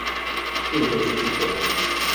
并做出行动